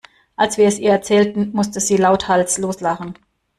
Als wir es ihr erzählten, musste sie lauthals loslachen.